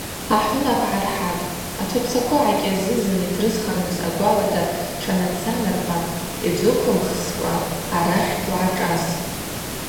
Ахӏвынап гӏархӏатӏ, ачвапсаква гӏакӏьазызын йтрысхырныс агвалата тшанацанарпа йджвыквымххскӏва: – Арахь угӏашӏас.